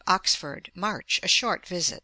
Oxford, March; a short visit.